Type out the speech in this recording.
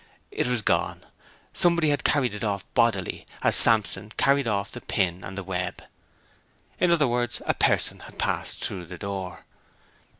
It was gone; somebody had carried it off bodily, as Samson carried off the pin and the web. In other words, a person had passed through the door.